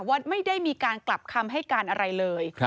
ว่าไม่ได้มีการกลับคำให้การอะไรเลย